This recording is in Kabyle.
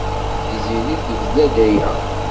Tiziri tebda-d aya.